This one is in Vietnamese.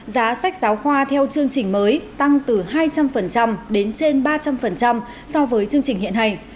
giá sách giáo khoa theo chương trình mới tăng từ hai trăm linh đến trên ba trăm linh so với chương trình hiện hành